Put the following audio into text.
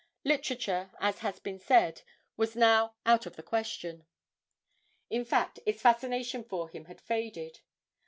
Literature, as has been said, was now out of the question; in fact, its fascination for him had faded.